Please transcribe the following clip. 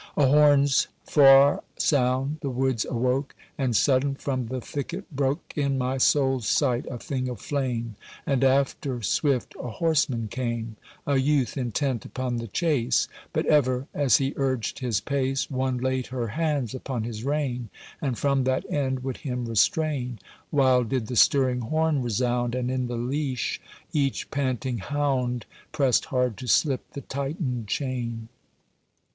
A horn's far sound the woods awoke, And sudden from the thicket broke, In my soul's sight, a thing of flame, And after, swift, a horseman came— A youth intent upon the chase; But ever, as he urged his pace, One laid her hands upon his rein, And from that end would him restrain; While did the stirring horn resound, And in the leash each panting hound Pressed hard to slip the tightened chain.